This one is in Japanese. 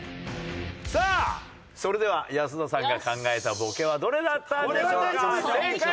さあそれでは安田さんが考えたボケはどれだったんでしょうか？